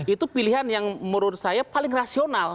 itu pilihan yang menurut saya paling rasional